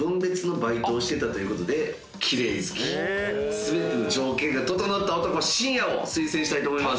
全ての条件が整った男しんやを推薦したいと思います。